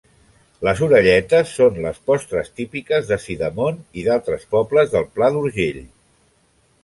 Les orelletes són les postres típiques de Sidamon i d'altres pobles del Pla d'Urgell.